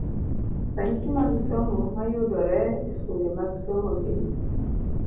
Ranyisi mag somo mayudore e skunde mag somo gin: